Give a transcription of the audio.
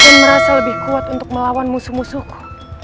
dan merasa lebih kuat untuk melawan musuh musuhku